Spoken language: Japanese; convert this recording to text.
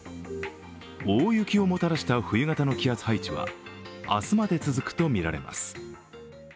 大雪をもたらした冬型の気圧配置は、明日まで続くとみられます。